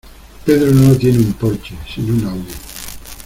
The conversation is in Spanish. Pedro no tiene un Porsche sino un Audi.